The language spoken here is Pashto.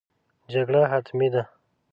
جګړه حتمي ده.